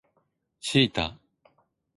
シータ